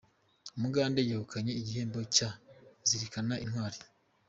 Umugande yegukanye igihembo cya "Zirikana Intwari "